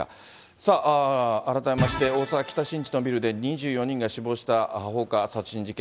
さあ、改めまして、大阪・北新地のビルで２４人が死亡した放火殺人事件。